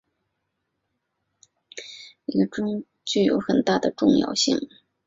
鉴于对这些权利和自由的普遍了解对于这个誓愿的充分实现具有很大的重要性